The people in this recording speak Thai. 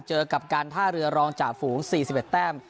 เจอกับการท่าเรือรองจาดฐิกฎสี่สิบเอ็ดแต้ม